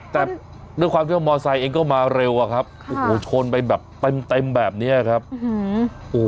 แต่ด้วยความที่ว่าเองก็มาเร็วอ่ะครับค่ะโอ้โหชนไปแบบเต็มแบบเนี้ยครับอื้อหือ